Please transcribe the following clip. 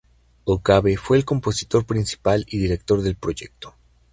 Okabe fue el compositor principal y director del proyecto.